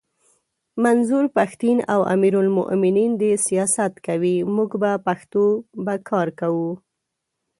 منظور پښتین او امیر المومنین دي سیاست کوي موږ به پښتو به کار کوو!